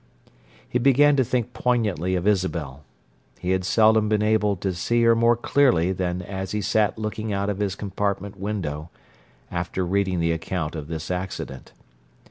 He began to think poignantly of Isabel: he had seldom been able to "see" her more clearly than as he sat looking out of his compartment window, after reading the account of this accident.